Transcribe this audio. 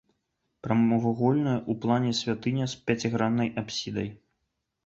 Прамавугольная ў плане святыня з пяціграннай апсідай.